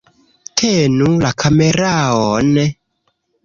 Tenu la kameraon